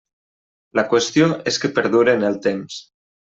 La qüestió és que perdure en el temps.